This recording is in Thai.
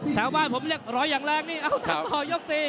ถ้าบ้านผมเรียกรอยอย่างแรงได้ตอบยกสี่